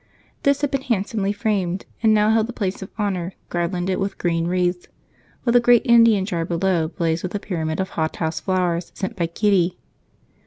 This had been handsomely framed and now held the place of honor, garlanded with green wreaths, while the great Indian jar below blazed with a pyramid of hothouse flowers sent by Kitty.